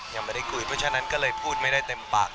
ยังไม่ได้คุยเพราะฉะนั้นก็เลยพูดไม่ได้เต็มปาก